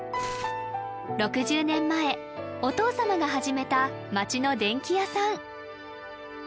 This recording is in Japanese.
６０年前お父様が始めた町の電気屋さん